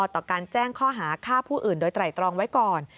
ต่อการแจ้งข้อหาฆ่าผู้อื่นโดยไตรตรองไว้ก่อน